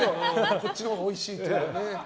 こっちのほうがおいしいって。